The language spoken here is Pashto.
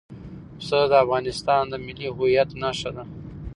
پسه د افغانستان د ملي هویت یوه نښه ده.